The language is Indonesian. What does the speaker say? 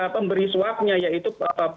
pemberi swabnya yaitu